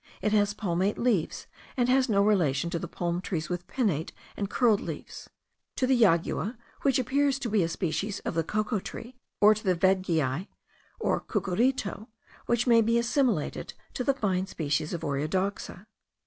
It has palmate leaves, and has no relation to the palm trees with pinnate and curled leaves; to the jagua, which appears to be a species of the cocoa tree; or to the vadgiai or cucurito, which may be assimilated to the fine species Oreodoxa.